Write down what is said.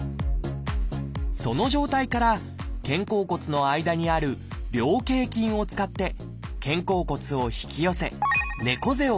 その状態から肩甲骨の間にある菱形筋を使って肩甲骨を引き寄せ猫背を直します。